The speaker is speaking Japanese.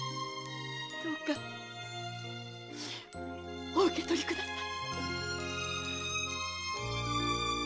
どうかお受け取りください。